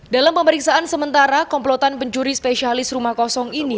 dalam pemeriksaan sementara komplotan pencuri spesialis rumah kosong ini